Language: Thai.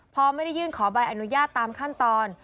พอไม่ได้ยื่นขอใบอนุญาตตามขั้นตอน